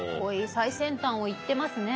最先端を行ってますね。